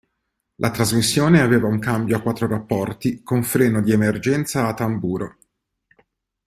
La trasmissione aveva un cambio a quattro rapporti con freno di emergenza a tamburo.